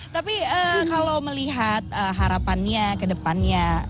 tapi kalau melihat harapannya ke depannya